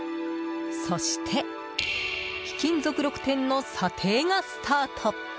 そして貴金属６点の査定がスタート。